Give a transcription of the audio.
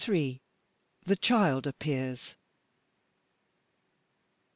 THE CHILD APPEARS.